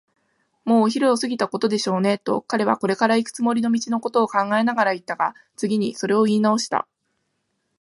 「もうお昼を過ぎたことでしょうね」と、彼はこれからいくつもりの道のことを考えながらいったが、次にそれをいいなおした。